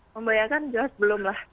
membayangkan jelas belum lah